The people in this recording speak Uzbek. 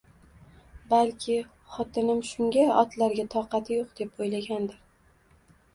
Balki, xotinim shunga, otlarga toqati yo`q, deb o`ylagandir